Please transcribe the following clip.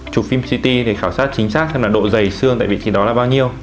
chụp phim city để khảo sát chính xác xem là độ dày xương tại vị trí đó là bao nhiêu